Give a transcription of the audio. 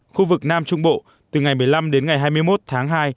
khu vực nam trung bộ từ ngày một mươi năm đến ngày hai mươi một tháng hai